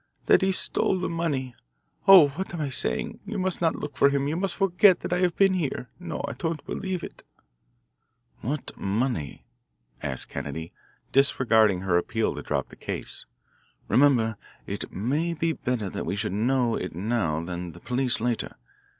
"That he stole the money oh, what am I saying? You must not look for him you must forget that I have been here. No, I don't believe it." "What money?" asked Kennedy, disregarding her appeal to drop the case. "Remember, it may be better that we should know it now than the police later.